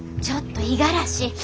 ちょっと五十嵐。